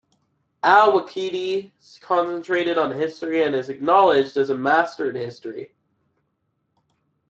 Al-Waqidi concentrated on history and is acknowledged as a master in history.